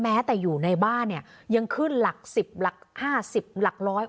แม้แต่อยู่ในบ้านยังขึ้นหลักสิบหลักห้าสิบหลักร้อย